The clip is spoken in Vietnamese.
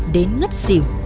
đến ngất xỉu